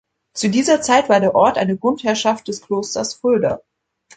Zu dieser Zeit war der Ort eine Grundherrschaft des Klosters Fulda.